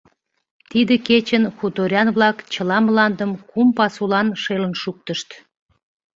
Тиде кечын хуторян-влак чыла мландым кум пасулан шелын шуктышт.